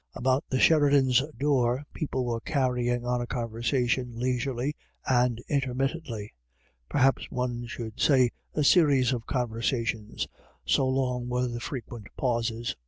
About the Sheridans' door people were carrying on a conversation leisurely and intermittently ; perhaps one should say a series of conversations, so long were the frequent pauses.